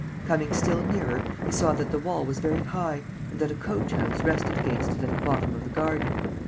Coming still nearer, he saw that the wall was very high and that a coach house rested against it at the bottom of the garden.